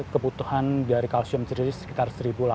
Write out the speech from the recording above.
kebutuhan dari kalsium sendiri sekitar